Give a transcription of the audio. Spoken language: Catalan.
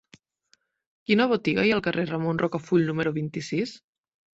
Quina botiga hi ha al carrer de Ramon Rocafull número vint-i-sis?